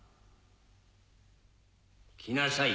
来なさい